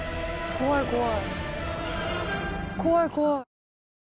怖い怖い。